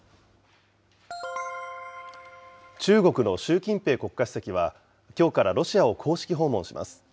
中国の習近平国家主席は、きょうからロシアを公式訪問します。